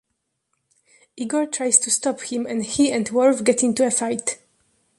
Igor tries to stop him, and he and Worth get into a fight.